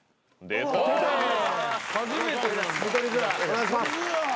お願いします。